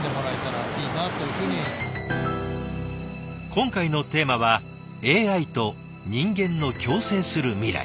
今回のテーマは「ＡＩと人間の共生する未来」。